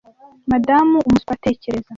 madamu umuswa tekereza